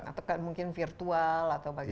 atau mungkin virtual atau bagaimana